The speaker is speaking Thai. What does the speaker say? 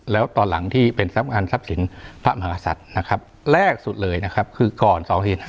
แล้วตอนหลังที่เป็นสำนักงานทรัพย์สินพระมหาศัตริย์แรกสุดเลยคือก่อน๒๐๐๕